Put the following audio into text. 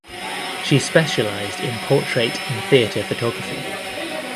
She specialised in portrait and theatre photography.